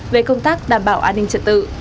về công tác đảm bảo an ninh trật tự